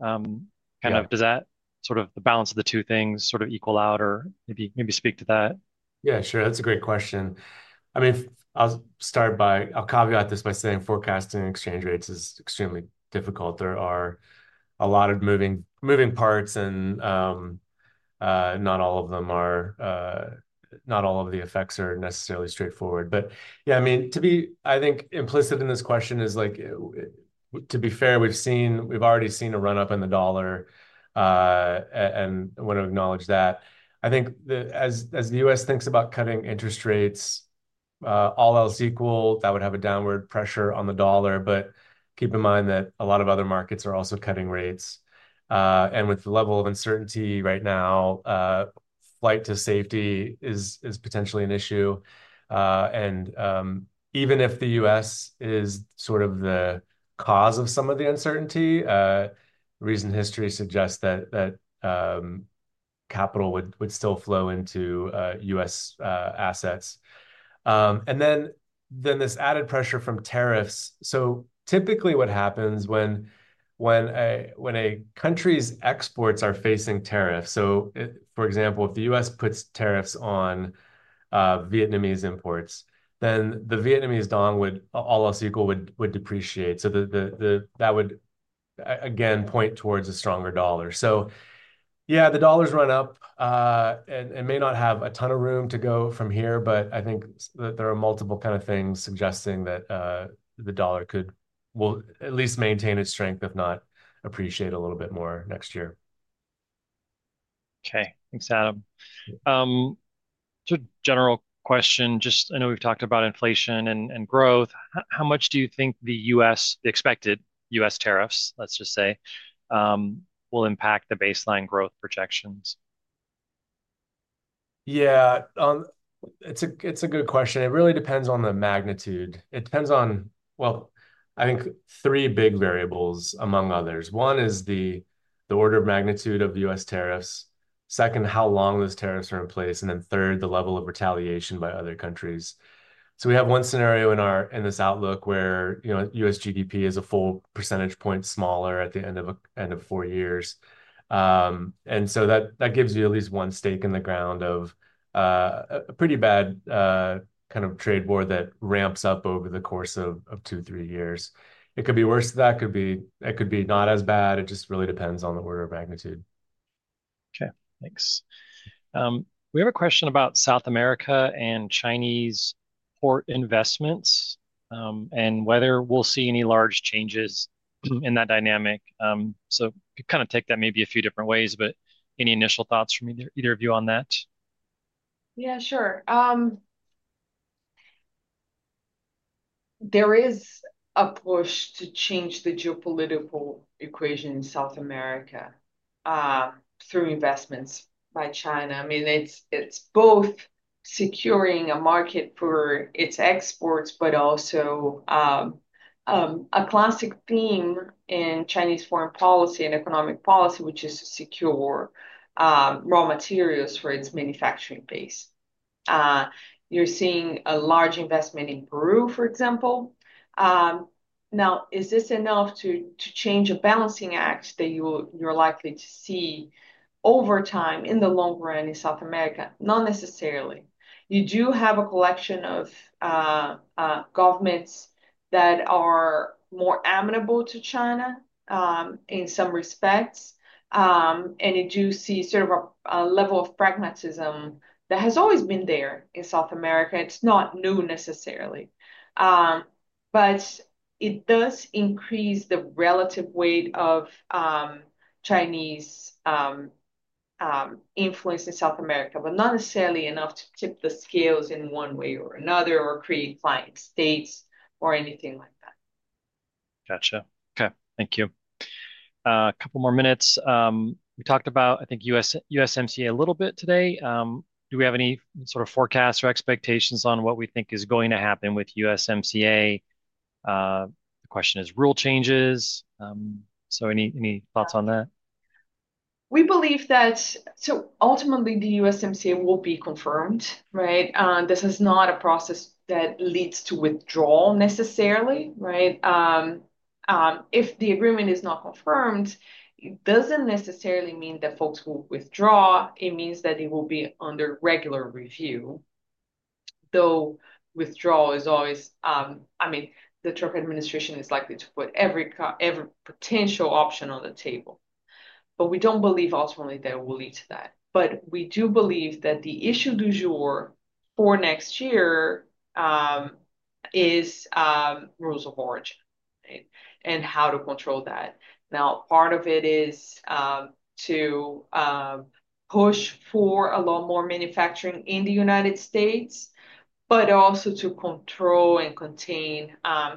kind of does that sort of the balance of the two things sort of equal out or maybe speak to that? Yeah, sure. That's a great question. I mean, I'll caveat this by saying forecasting exchange rates is extremely difficult. There are a lot of moving parts, and not all of the effects are necessarily straightforward. Yeah, I mean, I think implicit in this question is, to be fair, we've already seen a run-up in the dollar, and I want to acknowledge that. I think as the U.S. thinks about cutting interest rates, all else equal, that would have a downward pressure on the dollar, but keep in mind that a lot of other markets are also cutting rates. With the level of uncertainty right now, flight to safety is potentially an issue, and even if the U.S. is sort of the cause of some of the uncertainty, recent history suggests that capital would still flow into U.S. assets. Then this added pressure from tariffs. Typically what happens when a country's exports are facing tariffs, so for example, if the U.S. puts tariffs on Vietnamese imports, then the Vietnamese dong would all else equal would depreciate. That would, again, point towards a stronger dollar. So yeah, the dollar's run up and may not have a ton of room to go from here, but I think that there are multiple kind of things suggesting that the dollar could at least maintain its strength, if not appreciate a little bit more next year. Okay. Thanks, Adam. Just a general question. Just I know we've talked about inflation and growth. How much do you think the U.S. the expected U.S. tariffs, let's just say, will impact the baseline growth projections? Yeah. It's a good question. It really depends on the magnitude. It depends on, well, I think three big variables among others. One is the order of magnitude of the U.S. tariffs. Second, how long those tariffs are in place. And then third, the level of retaliation by other countries. So we have one scenario in this outlook where U.S. GDP is a full percentage point smaller at the end of four years. And so that gives you at least one stake in the ground of a pretty bad kind of trade war that ramps up over the course of two, three years. It could be worse than that. It could be not as bad. It just really depends on the order of magnitude. Okay. Thanks. We have a question about South America and Chinese port investments and whether we'll see any large changes in that dynamic. So you could kind of take that maybe a few different ways, but any initial thoughts from either of you on that? Yeah, sure. There is a push to change the geopolitical equation in South America through investments by China. I mean, it's both securing a market for its exports, but also a classic theme in Chinese foreign policy and economic policy, which is to secure raw materials for its manufacturing base. You're seeing a large investment in Peru, for example. Now, is this enough to change a balancing act that you're likely to see over time in the long run in South America? Not necessarily. You do have a collection of governments that are more amenable to China in some respects. And you do see sort of a level of pragmatism that has always been there in South America. It's not new necessarily. But it does increase the relative weight of Chinese influence in South America, but not necessarily enough to tip the scales in one way or another or create client states or anything like that. Gotcha. Okay. Thank you. A couple more minutes. We talked about, I think, USMCA a little bit today. Do we have any sort of forecasts or expectations on what we think is going to happen with USMCA? The question is rule changes. So any thoughts on that? We believe that, so ultimately, the USMCA will be confirmed, right? This is not a process that leads to withdrawal necessarily, right? If the agreement is not confirmed, it doesn't necessarily mean that folks will withdraw. It means that it will be under regular review. Though withdrawal is always I mean, the Trump administration is likely to put every potential option on the table. But we don't believe ultimately that it will lead to that. But we do believe that the issue du jour for next year is rules of origin, right, and how to control that. Now, part of it is to push for a lot more manufacturing in the United States, but also to control and contain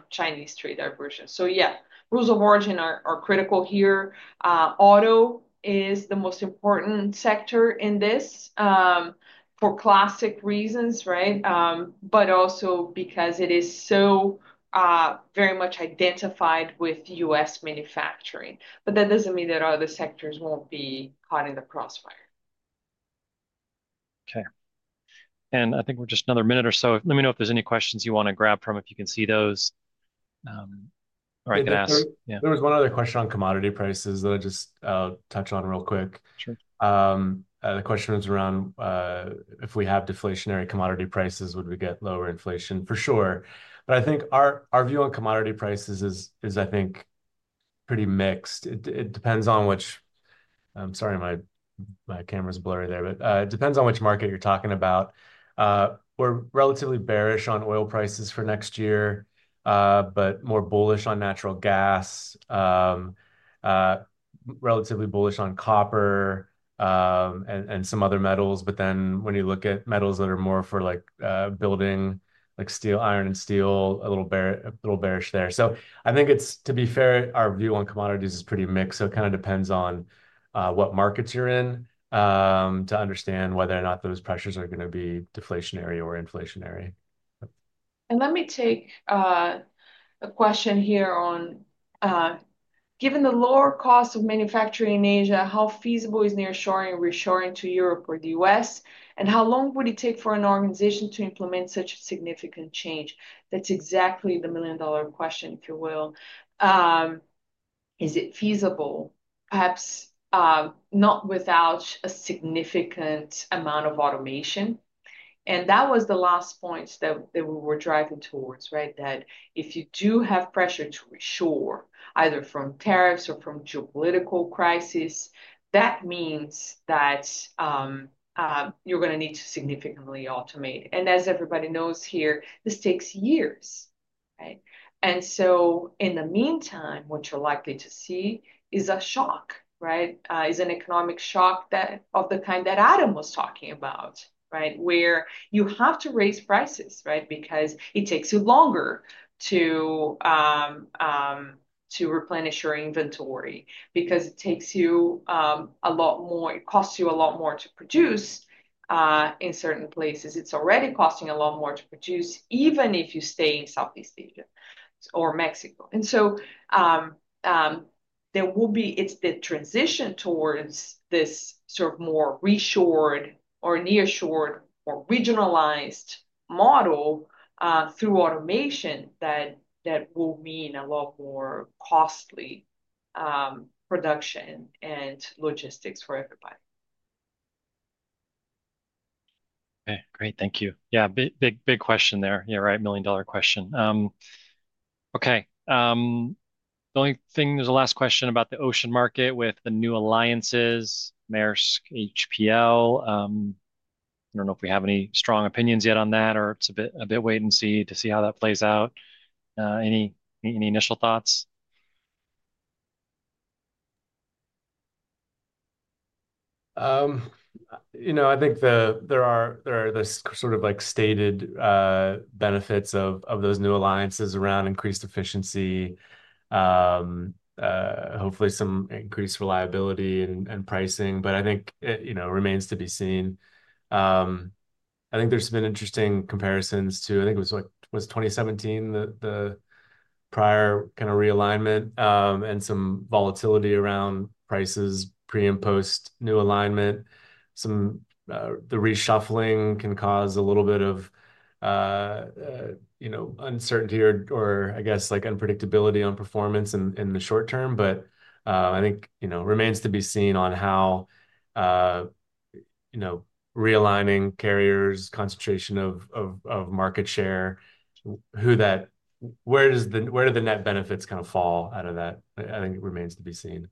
Chinese trade diversion. So yeah, rules of origin are critical here. Auto is the most important sector in this for classic reasons, right? But also because it is so very much identified with U.S. manufacturing. But that doesn't mean that other sectors won't be caught in the crossfire. Okay. And I think we're just another minute or so. Let me know if there's any questions you want to grab from if you can see those. Or I can ask. There was one other question on commodity prices that I'll just touch on real quick. The question was around if we have deflationary commodity prices, would we get lower inflation? For sure. But I think our view on commodity prices is, I think, pretty mixed. It depends on which. I'm sorry, my camera's blurry there, but it depends on which market you're talking about. We're relatively bearish on oil prices for next year, but more bullish on natural gas, relatively bullish on copper, and some other metals. But then when you look at metals that are more for building like steel, iron, a little bearish there. So I think it's, to be fair, our view on commodities is pretty mixed. So it kind of depends on what markets you're in to understand whether or not those pressures are going to be deflationary or inflationary. And let me take a question here on given the lower cost of manufacturing in Asia, how feasible is nearshoring and reshoring to Europe or the U.S.? And how long would it take for an organization to implement such a significant change? That's exactly the million-dollar question, if you will. Is it feasible? Perhaps not without a significant amount of automation. And that was the last point that we were driving towards, right? That if you do have pressure to reshore, either from tariffs or from geopolitical crisis, that means that you're going to need to significantly automate. And as everybody knows here, this takes years, right? And so in the meantime, what you're likely to see is a shock, right? Is an economic shock of the kind that Adam was talking about, right? Where you have to raise prices, right? Because it takes you longer to replenish your inventory because it takes you a lot more it costs you a lot more to produce in certain places. It's already costing a lot more to produce, even if you stay in Southeast Asia or Mexico. And so there will be. It's the transition towards this sort of more reshored or nearshored or regionalized model through automation that will mean a lot more costly production and logistics for everybody. Okay. Great. Thank you. Yeah. Big question there. You're right. Million-dollar question. Okay. The only thing, there's a last question about the ocean market with the new alliances, Maersk, HPL. I don't know if we have any strong opinions yet on that, or it's a bit wait and see to see how that plays out. Any initial thoughts? I think there are the sort of stated benefits of those new alliances around increased efficiency, hopefully some increased reliability and pricing. But I think it remains to be seen. I think there's been interesting comparisons to I think it was 2017, the prior kind of realignment and some volatility around prices pre and post new alignment. The reshuffling can cause a little bit of uncertainty or, I guess, unpredictability on performance in the short term. But I think it remains to be seen on how realigning carriers, concentration of market share, where do the net benefits kind of fall out of that. I think it remains to be seen.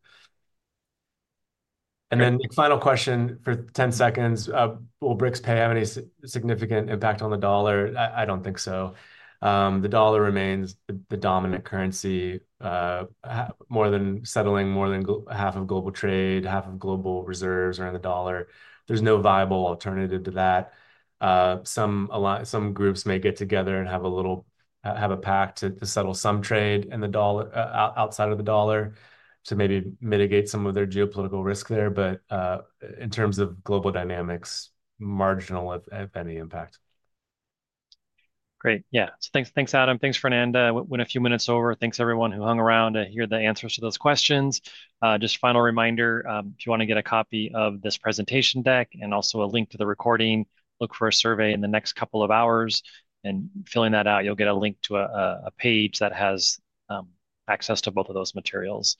And then final question for 10 seconds. Will BRICS Pay have any significant impact on the dollar? I don't think so. The dollar remains the dominant currency, more than settling more than half of global trade, half of global reserves are in the dollar. There's no viable alternative to that. Some groups may get together and have a little pact to settle some trade outside of the dollar to maybe mitigate some of their geopolitical risk there. But in terms of global dynamics, marginal, if any, impact. Great. Yeah! So thanks Adam. Thanks Fernanda.We went a few minutes over. Thanks everyone who hung around to hear the answers to those questions. Just final reminder, if you want to get a copy of this presentation deck and also a link to the recording, look for a survey in the next couple of hours, and filling that out, you'll get a link to a page that has access to both of those materials,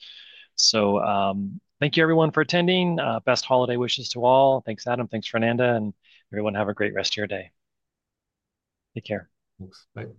so thank you, everyone, for attending. Best holiday wishes to all. Thanks, Adam. Thanks, Fernanda, and everyone, have a great rest of your day. Take care. Thanks. Bye.